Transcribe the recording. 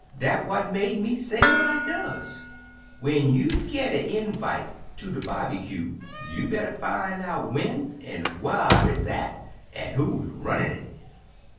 Dat what make me say what I does when you git a invite ter a bobbycue, you better fin' out when an' whar it's at, an' who runnin' it."